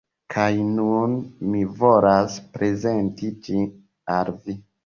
Kaj nun, mi volas prezenti ĝi al vi.